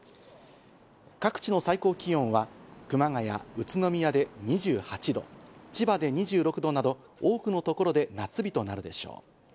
各地の最高気温は熊谷、宇都宮で２８度、千葉で２６度など多くのところで夏日となるでしょう。